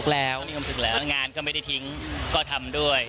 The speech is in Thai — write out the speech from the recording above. แล้วงานก็ไม่ได้ทิ้งก็ทำด้วย